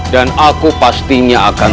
dan aku pastinya akan